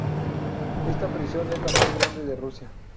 Esta prisión es la más grande de Rusia.